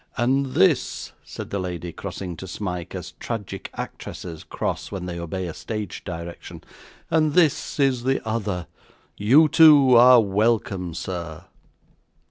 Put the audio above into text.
'And this,' said the lady, crossing to Smike, as tragic actresses cross when they obey a stage direction, 'and this is the other. You too, are welcome, sir.